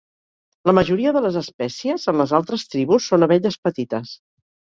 La majoria de les espècies en les altres tribus són abelles petites.